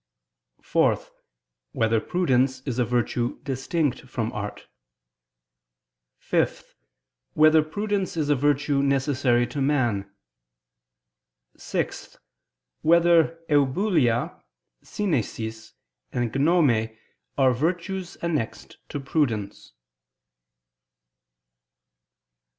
(4) Whether prudence is a virtue distinct from art? (5) Whether prudence is a virtue necessary to man? (6) Whether "eubulia," "synesis" and "gnome" are virtues annexed to prudence?